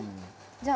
じゃあ。